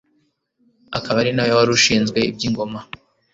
akaba ari na we wari ushinzwe iby'ingoma